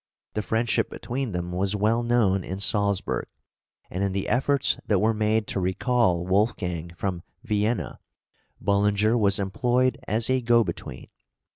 The friendship between them was well known in Salzburg; and in the efforts that were made to recall Wolfgang from Vienna Bullinger was employed as a go between.